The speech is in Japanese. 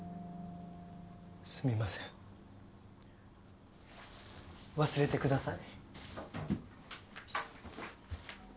すみません忘れて下さい。